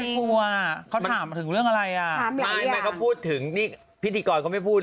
คุณแม่กลัวอะเขาถามถึงเรื่องอะไรอะไม่ทำไมเขาพูดถึงพิธีกรก็ไม่พูดเลย